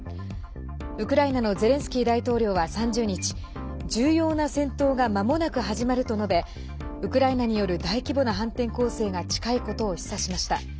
ウクライナのゼレンスキー大統領は３０日重要な戦闘がまもなく始まると述べウクライナによる大規模な反転攻勢が近いことを示唆しました。